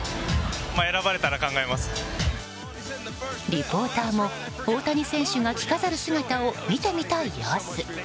リポーターも大谷選手が着飾る姿を見てみたい様子。